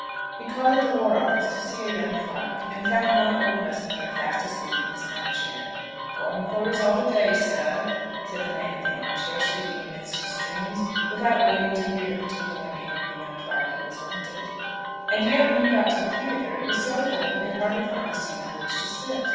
He called at the War Office to see a young clerk, and found one old messenger fast asleep in his arm chair. "Gone for his holiday, sir," said the man in the arm chair, speaking amidst his dreams, without waiting to hear the particular name of the young clerk who was wanted. And yet, when he got to the theatre, it was so full that he could hardly find a seat on which to sit.